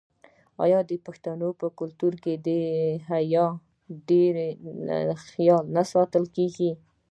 آیا د پښتنو په کلتور کې د حیا ډیر خیال نه ساتل کیږي؟